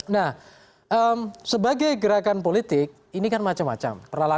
nah sebagai gerakan politik ini kan macam macam